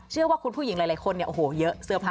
ว่าคุณผู้หญิงหลายคนเนี่ยโอ้โหเยอะเสื้อผ้า